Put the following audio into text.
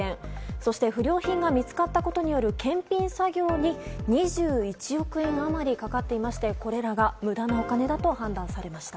そして、不良品が見つかったことによる検品作業に２１億円余りかかっていましてこれらが無駄なお金だと判断されました。